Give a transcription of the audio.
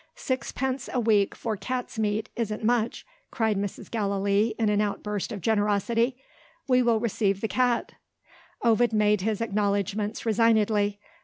"Sixpence a week for cat's meat isn't much," cried Mrs. Gallilee in an outburst of generosity. "We will receive the cat!" Ovid made his acknowledgments resignedly.